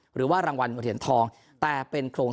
หรือว่ารางวัลเห็นทอง